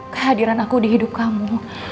kehadiran aku di hidup kamu